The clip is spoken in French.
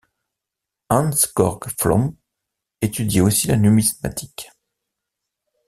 Hans-Georg Pflaum étudiait aussi la numismatique.